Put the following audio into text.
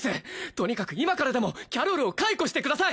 とにかく今からでもキャロルを解雇してください！